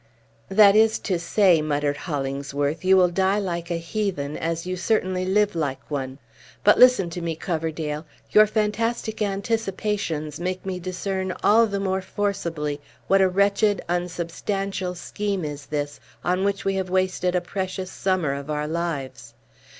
"That is to say," muttered Hollingsworth, "you will die like a heathen, as you certainly live like one. But, listen to me, Coverdale. Your fantastic anticipations make me discern all the more forcibly what a wretched, unsubstantial scheme is this, on which we have wasted a precious summer of our lives.